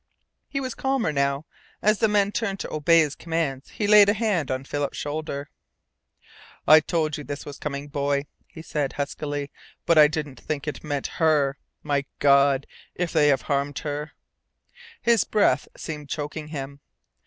He was calmer now. As the men turned to obey his commands he laid a hand on Philip's shoulder. "I told you this was coming, Boy," he said huskily. "But I didn't think it meant HER. My God, if they have harmed her " His breath seemed choking him.